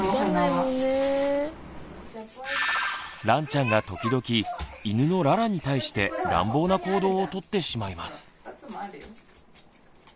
らんちゃんが時々犬のララに対して乱暴な行動をとってしまいます。